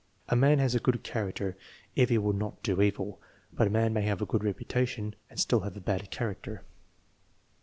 "A man has a good character if he would not do evil; but a man may have a good reputation and still have a bad character."